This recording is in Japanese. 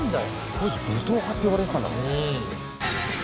当時武闘派って呼ばれてたんだから。